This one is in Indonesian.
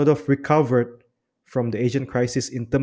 sudah mendapatkan kembang dari krisis asia